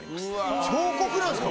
彫刻なんですか？